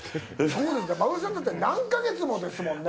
マグロ船、だって、何か月もですもんね。